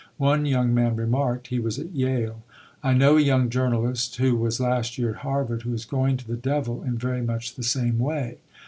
One young man remarked he was at Yale "I know a young journalist who was last year at Harvard, who is going to the devil in very much the same way."